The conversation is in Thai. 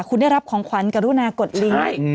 คุณได้รับของขวัญกรุณากดลิงค์